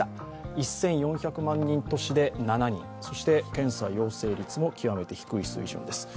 １４００万人都市で７人、検査陽性率も極めて低い水準です。